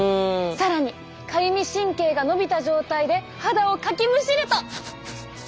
更にかゆみ神経が伸びた状態で肌をかきむしると。